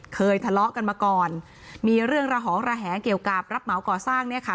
ทะเลาะกันมาก่อนมีเรื่องระหองระแหงเกี่ยวกับรับเหมาก่อสร้างเนี่ยค่ะ